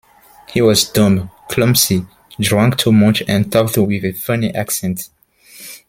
He was dumb, clumsy, drank too much and talked with a funny accent.